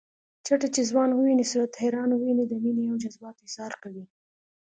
چټه چې ځوان وويني صورت حیران وويني د مینې او جذباتو اظهار کوي